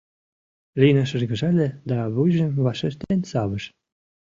Лина шыргыжале да вуйжым вашештен савыш.